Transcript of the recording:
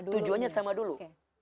tujuannya sama dulu